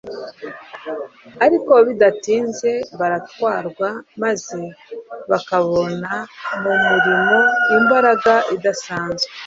ariko bidatinze baratwarwa maze bakabona mu murimo imbaraga idasanzwe,